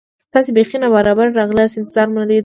تاسې بیخي نا ببره راغلاست، انتظار مو نه درلود.